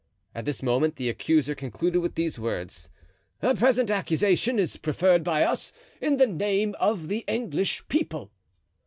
At this moment the accuser concluded with these words: "The present accusation is preferred by us in the name of the English people."